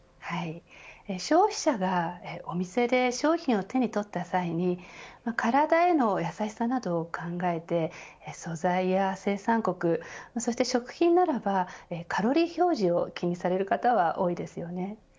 消費者がお店で商品を手に取った際に体への優しさなどを考えて素材や生産国そして食品ならばカロリー表示を気にされる方は多いですよね。